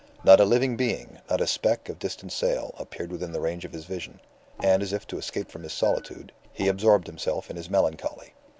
Not a living being, not a speck of distant sail, appeared within the range of his vision; and, as if to escape from this solitude, he absorbed himself in his melancholy.